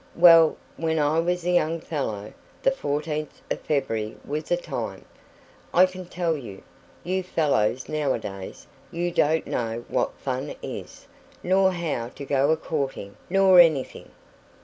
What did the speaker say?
"Well, when I was a young fellow, the 14th of February was a time, I can tell you! You fellows nowadays, you don't know what fun is, nor how to go a courting, nor anything....